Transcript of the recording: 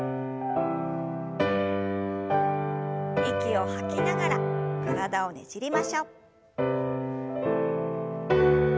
息を吐きながら体をねじりましょう。